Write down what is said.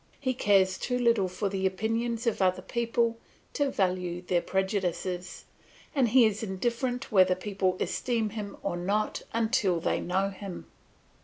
He cares too little for the opinions of other people to value their prejudices, and he is indifferent whether people esteem him or not until they know him.